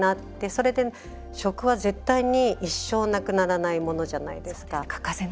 それで、食は絶対に一生なくならないものじゃないですか。